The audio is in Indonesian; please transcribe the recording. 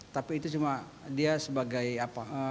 tapi itu cuma dia sebagai apa